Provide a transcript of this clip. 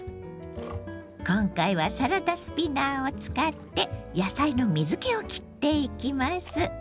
今回はサラダスピナーを使って野菜の水けをきっていきます。